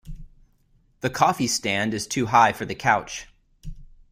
The coffee stand is too high for the couch.